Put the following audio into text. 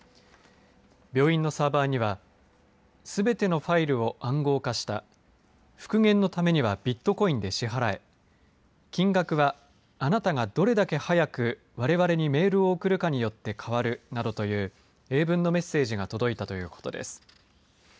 病院のサーバーにはすべてのファイルを暗号化した復元のためにはビットコインで支払え金額は、あなたがどれだけ早くわれわれにメールを送るかによって変わるなどという英文のメッセージが届いたということです。